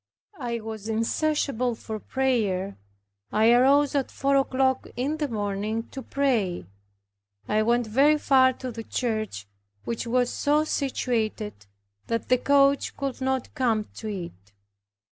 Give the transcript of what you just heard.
I was insatiable for prayer. I arose at four o'clock in the morning to pray. I went very far to the church, which was so situated, that the coach could not come to it.